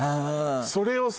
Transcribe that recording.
それをさ